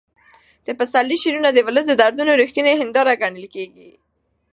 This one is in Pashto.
د پسرلي شعرونه د ولس د دردونو رښتینې هنداره ګڼل کېږي.